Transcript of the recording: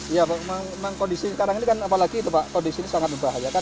iya pak memang kondisi sekarang ini apalagi kondisi ini sangat berbahaya